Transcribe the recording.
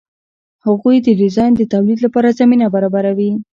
هغوی د ډیزاین د تولید لپاره زمینه برابروي.